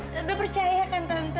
tante percaya kan tante